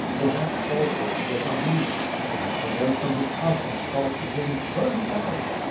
Perhaps also, he was uneasy; perhaps a voice from his conscience called to him: "Turn back!"